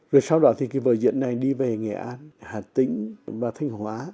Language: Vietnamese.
rồi sau đó thì cái vở diễn này đi về nghệ an hà tĩnh và thanh hóa